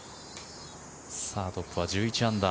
さあ、トップは１１アンダー。